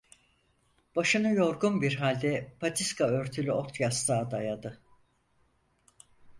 Başını yorgun bir halde patiska örtülü ot yastığa dayadı.